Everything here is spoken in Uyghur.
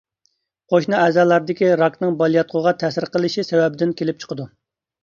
قوشنا ئەزالاردىكى راكنىڭ بالىياتقۇغا تەسىر قىلىشى سەۋەبىدىن كېلىپ چىقىدۇ.